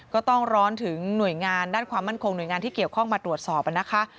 ก็ต้องร้อนถึงหน่วยงานด้านความมั่นคงหน่วยงานที่เกี่ยวข้องมาตรวจสอบนะคะ